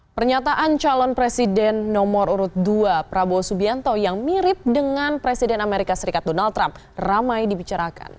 pernyataan calon presiden nomor urut dua prabowo subianto yang mirip dengan presiden amerika serikat donald trump ramai dibicarakan